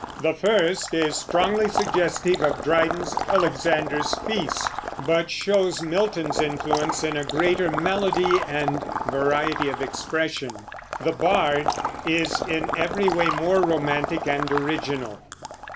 The first is strongly suggestive of Dryden's "Alexander's Feast," but shows Milton's influence in a greater melody and variety of expression. "The Bard" is, in every way, more romantic and original.